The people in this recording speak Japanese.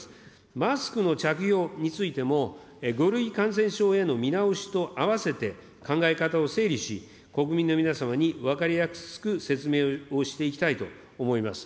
マスクの着用についても、５類感染症への見直しとあわせて考え方を整理し、国民の皆様に分かりやすく説明をしていきたいと思います。